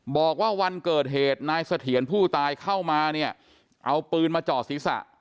บอกว่าวันเกิดเหตุนายเสถียรผู้ตายเข้ามาเนี่ยเอาปืนมาจ่อศีรษะ